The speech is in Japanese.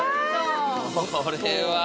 これは。